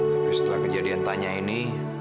tapi setelah kejadian tanya ini